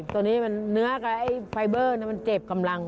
ตัวนี้มันเนื้อกับไฟเบอร์จะเจ็บกำลัง